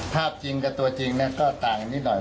ภาพจริงกับตัวจริงก็ต่างนิดหน่อย